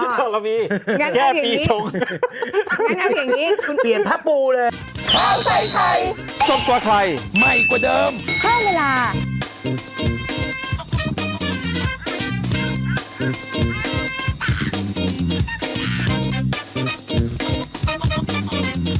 โอ้โฮสุดยอดงั้นครับอย่างนี้คุณเปลี่ยนผ้าปูเลยสุดยอด